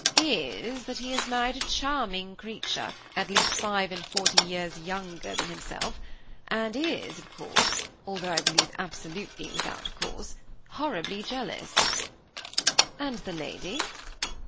"Is that he has married a charming creature, at least five and forty years younger than himself, and is, of course, although I believe absolutely without cause, horribly jealous." "And the lady?"